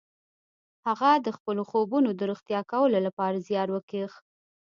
هغه د خپلو خوبونو د رښتيا کولو لپاره زيار وکيښ.